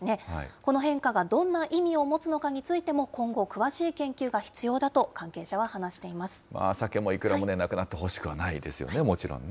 この変化がどんな意味を持つのかについても今後、詳しい研究が必サケもイクラもね、なくなってほしくはないですよね、もちろんね。